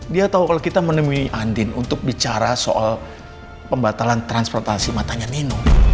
dia tahu kalau kita menemui andin untuk bicara soal pembatalan transportasi matanya nino